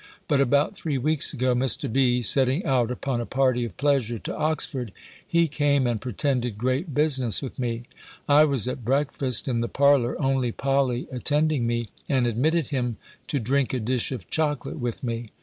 But about three weeks ago, Mr. B. setting out upon a party of pleasure to Oxford, he came and pretended great business with me. I was at breakfast in the parlour, only Polly attending me, and admitted him, to drink a dish of chocolate with me.